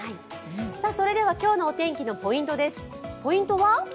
それでは、今日のお天気のポイントです。